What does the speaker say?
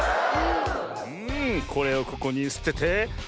うんこれをここにすててワオー！